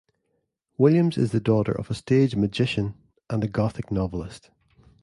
Williams is the daughter of a stage magician and a Gothic novelist.